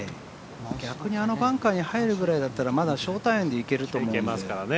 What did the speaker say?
逆にあのバンカーに入るぐらいだったらまだショートアイアンでいけると思うんで。